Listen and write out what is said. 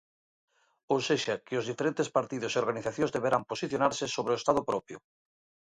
Ou sexa, que os diferentes partidos e organizacións deberán posicionarse sobre o estado propio.